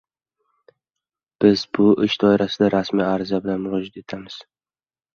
Biz bu ish doirasida rasmiy ariza bilan murojaat etamiz.